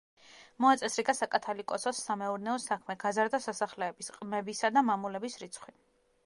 მოაწესრიგა საკათალიკოსოს სამეურნეო საქმე, გაზარდა სასახლეების, ყმებისა და მამულების რიცხვი.